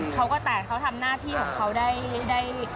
เขาก็แต่เขาทำหน้าที่ของเขาได้